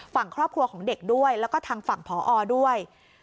ฝั่งครอบครัวของเด็กด้วยแล้วก็ทางฝั่งผอด้วย